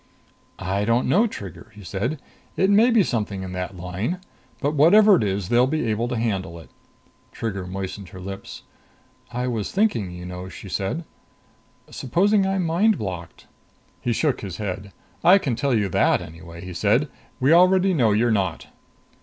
"I don't know, Trigger," he said. "It may be something in that line. But whatever it is, they'll be able to handle it." Trigger moistened her lips, "I was thinking, you know," she said. "Supposing I'm mind blocked." He shook his head. "I can tell you that, anyway," he said. "We already know you're not."